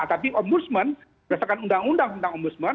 tapi ombudsman berdasarkan undang undang tentang ombudsman